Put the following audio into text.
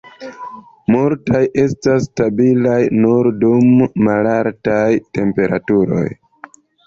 Multaj estas stabilaj nur dum malaltaj temperaturoj.